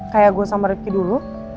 kayak gue sama ricky dulu